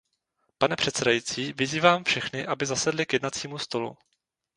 Pane předsedající, vyzývám všechny, aby zasedli k jednacímu stolu.